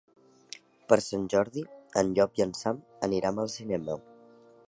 Per Sant Jordi en Llop i en Sam aniran al cinema.